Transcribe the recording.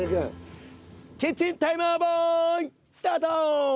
キッチンタイマーボーイスタート！